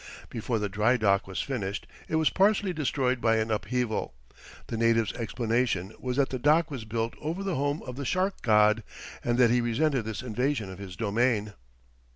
Before the drydock was finished it was partially destroyed by an upheaval. The natives' explanation was that the dock was built over the home of the Shark god, and that he resented this invasion of his domain.